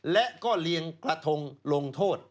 และก็เลี้ยงกระทงลงโทษ